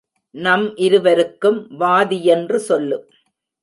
நம் இருவருக்கும் வாதி யென்று சொல்லு.